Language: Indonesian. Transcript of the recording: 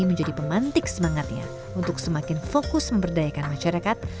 menjadi pemantik semangatnya untuk semakin fokus memberdayakan masyarakat